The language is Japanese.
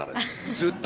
ずっと。